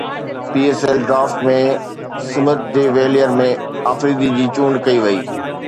P S L draft ۾ Smith De Villiers Afridi جي چونڊ ڪئي وئي